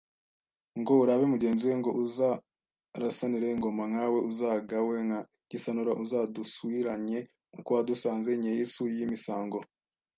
Ngo urabe mugenzi we Ngo uzarasanire ingoma nka we Uzagae nka Gisanura Uzadusuiranye uko wadusanze Ny’eisu y’emisango